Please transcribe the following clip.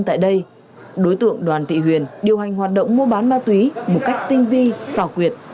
tại đây đối tượng đoàn thị huyền điều hành hoạt động mua bán ma túy một cách tinh vi xảo quyệt